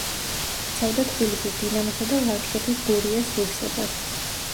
იცავდა თბილისის „დინამოსა“ და ლანჩხუთის „გურიას“ ღირსებას.